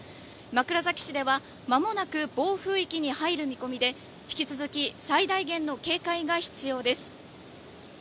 枕崎市ではまもなく暴風域に入る見込みで引き続き最大限の警戒が必要です。